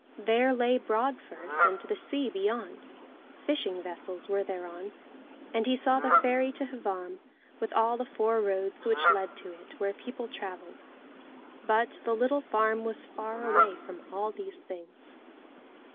There lay Broadfirth, and the sea beyond; fishing vessels were thereon. And he saw the ferry to Hvamm, with all the four roads which led to it, where people travelled; but the little farm was far away from all these things.